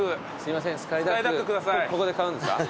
ここで買うんですか？